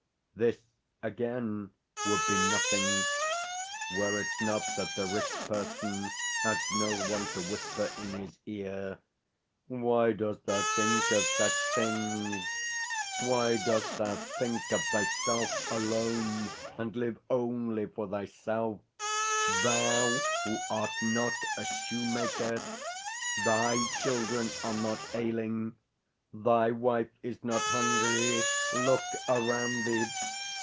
This, again, would be nothing, were it not that the rich person has no one to whisper in his ear: "Why dost thou think of such things? Why dost thou think of thyself alone, and live only for thyself thou who art not a shoemaker? THY children are not ailing. THY wife is not hungry. Look around thee.